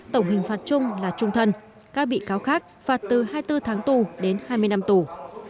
tổng hình phạt chung là trung thân các bị cáo khác phạt từ hai mươi bốn tháng tù đến hai mươi năm tù